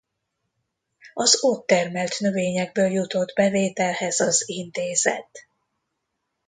Az ott termelt növényekből jutott bevételhez az intézet.